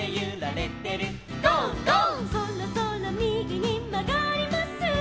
「そろそろみぎにまがります」